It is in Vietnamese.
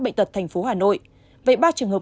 bệnh tật tp hà nội về ba trường hợp